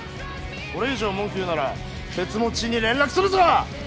これ以上文句言うならケツ持ちに連絡するぞ！